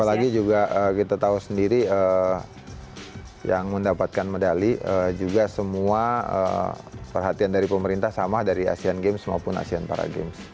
apalagi juga kita tahu sendiri yang mendapatkan medali juga semua perhatian dari pemerintah sama dari asean games maupun asean para games